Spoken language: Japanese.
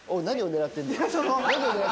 何を狙ってんの？